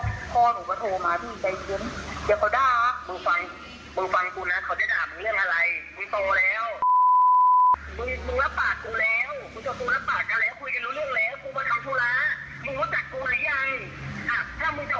คุณผู้ชมตัวละปากกันแล้วคุยกันเรื่องแล้วคุณมาทำธุระมึงว่าจัดกูไหมยัง